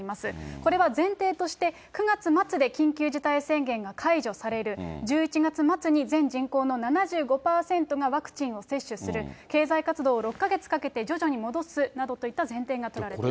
これは前提として、９月末で緊急事態宣言が解除される、１１月末に全人口の７５％がワクチンを接種する、経済活動を６か月かけて、徐々に戻すなどといった前提が取られています。